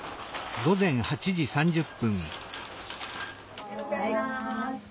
おはようございます。